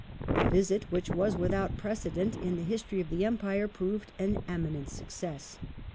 The visit, which was without precedent in the history of the Empire, proved an eminent success.